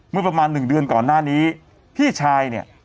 เมื่อประมาณหนึ่งเดือนก่อนหน้านี้พี่ชายเนี่ย